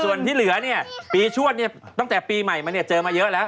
ส่วนที่เหลือปีชวดตั้งแต่ปีใหม่มาเจอเยอะแล้ว